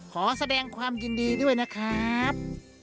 ขอแสดงความยินดีด้วยนะครับ